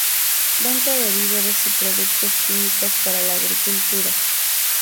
Venta de Víveres y Productos químicos para la agricultura.